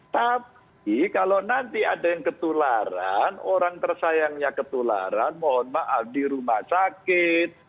tapi kalau nanti ada yang ketularan orang tersayangnya ketularan mohon maaf di rumah sakit